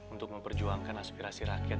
untuk memperjuangkan aspirasi rakyat